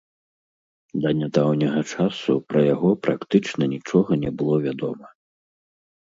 Да нядаўняга часу пра яго практычна нічога не было вядома.